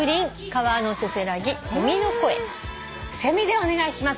「セミ」でお願いします。